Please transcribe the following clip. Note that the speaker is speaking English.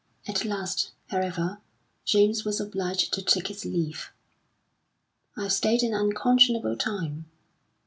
At last, however, James was obliged to take his leave. "I've stayed an unconscionable time."